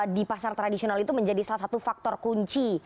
di pasar tradisional itu menjadi salah satu faktor kunci